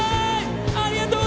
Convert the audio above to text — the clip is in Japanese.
ありがとう